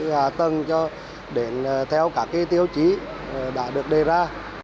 hà tầng cho đến theo các tiêu chí đã được đề ra